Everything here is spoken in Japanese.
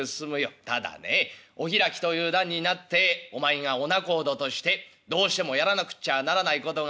ただねお開きという段になってお前がお仲人としてどうしてもやらなくちゃならないことがある」。